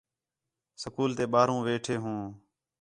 سکول تے ٻاہروں ویٹھے ہو